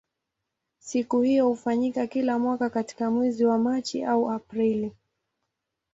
Siku hiyo hufanyika kila mwaka katika mwezi wa Machi au Aprili.